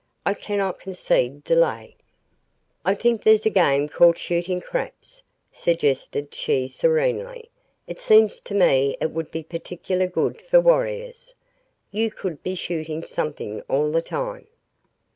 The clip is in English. I cannot concede delay." "I think there's a game called 'shooting craps,'" suggested she serenely. "It seems to me it would be particularly good for warriors. You could be shooting something all the time."